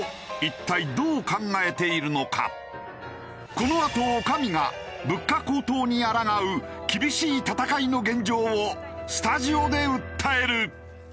このあと女将が物価高騰にあらがう厳しい戦いの現状をスタジオで訴える！